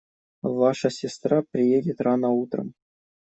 Ваша сестра приедет рано утром.